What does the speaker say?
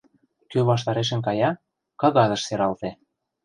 Кӧ ваштарешем кая — кагазыш сералте.